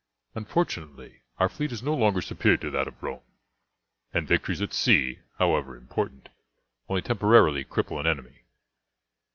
Unfortunately our fleet is no longer superior to that of Rome, and victories at sea, however important, only temporarily cripple an enemy.